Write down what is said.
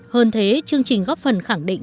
hơn thế chương trình góp phần khẳng định